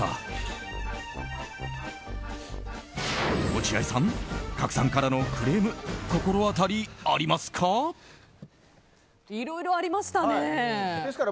落合さん賀来さんからのクレーム心当たりありますか？